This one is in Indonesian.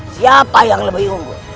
siapa yang lebih unggul